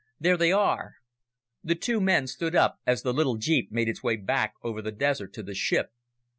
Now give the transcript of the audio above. "There they are!" The two men stood up as the little jeep made its way back over the desert to the ship.